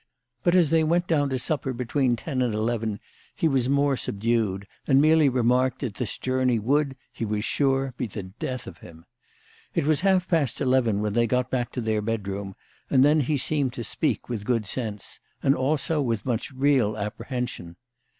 But as they went down to supper between ten and eleven he was more sub dued, and merely remarked that this journey would, he was sure, be the death of him. It was half past eleven when they got back to their bedroom, and then he seemed to speak with good sense, and also with much real apprehension.